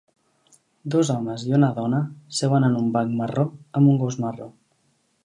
Dos homes i una dona seuen en un banc marró amb un gos marró